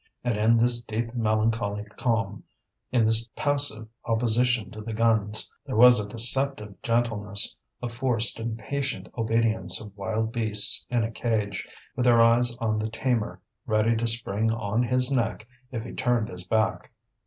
And in this deep melancholy calm, in this passive opposition to the guns, there was a deceptive gentleness, a forced and patient obedience of wild beasts in a cage, with their eyes on the tamer, ready to spring on his neck if he turned his back.